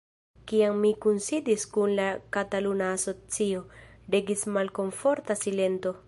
Kiam mi kunsidis kun la kataluna asocio, regis malkomforta silento.